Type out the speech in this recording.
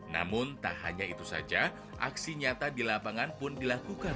namun tak hanya itu saja aksi nyata di lapangan pun dilakukan